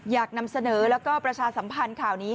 นำเสนอแล้วก็ประชาสัมพันธ์ข่าวนี้